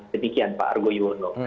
sedikian pak argo yono